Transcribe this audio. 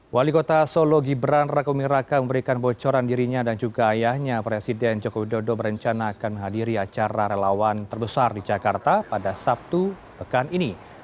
wali kota solo gibran raka buming raka memberikan bocoran dirinya dan juga ayahnya presiden jokowi dodo berencana akan menghadiri acara relawan terbesar di jakarta pada sabtu pekan ini